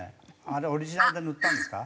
あれオリジナルで塗ったんですか？